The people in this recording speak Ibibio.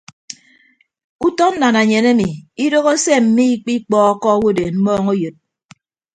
Utọ nnananyen emi idoho se mmikpikpọọkọ owodeen mmọọñ eyod.